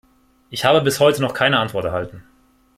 Ich habe bis heute noch keine Antwort erhalten.